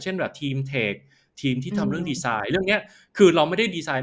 แบบทีมเทคทีมที่ทำเรื่องดีไซน์เรื่องนี้คือเราไม่ได้ดีไซน